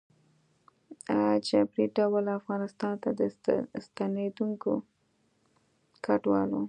ه جبري ډول افغانستان ته د ستنېدونکو کډوالو